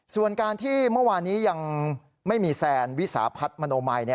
ส่วนการที่เมื่อวานี้ยังไม่มีแซนวิสาพัฒน์มโนมัย